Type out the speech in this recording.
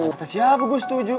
atas siapa gue setuju